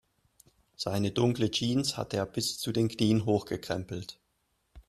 Seine dunkle Jeans hatte er bis zu den Knien hochgekrempelt.